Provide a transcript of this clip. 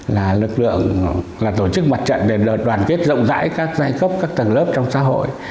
là lực lượng là tổ chức mặt trận để đoàn kết rộng rãi các giai cấp các tầng lớp trong xã hội